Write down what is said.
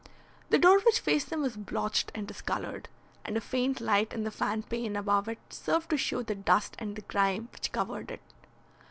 The door which faced them was blotched and discoloured, and a faint light in the fan pane above it served to show the dust and the grime which covered it.